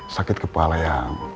sakit kepala yang